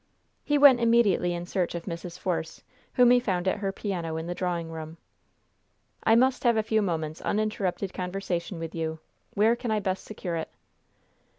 He went immediately in search of Mrs. Force, whom he found at her piano in the drawing room. "I must have a few moments uninterrupted conversation with you. Where can I best secure it?"